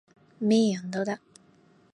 咩人都得